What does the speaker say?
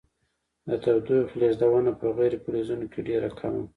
د تودوخې لیږدونه په غیر فلزونو کې ډیره کمه ده.